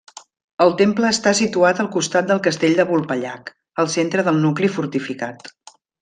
El temple està situat al costat del castell de Vulpellac, al centre del nucli fortificat.